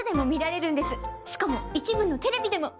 しかも一部のテレビでも。